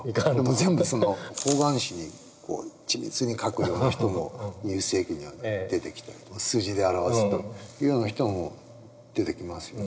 全部方眼紙に緻密に書くような人も２０世紀には出てきて数字で表すというような人も出てきますよね。